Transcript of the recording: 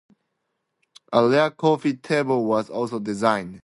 A rare coffee table was also designed.